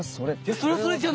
それはそれ。